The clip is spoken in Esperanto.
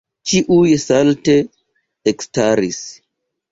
Ĉiuj salte ekstaris.